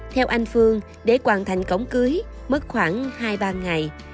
theo anh phương để hoàn thành cổng cưới mất khoảng hai ba ngày